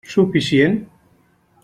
Suficient?